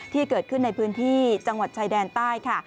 ที่เกิดขึ้นในพื้นที่จังหวัดชายแดนใต้ค่ะ